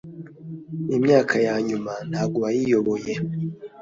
imyaka ya nyuma ntago yayiyoboye.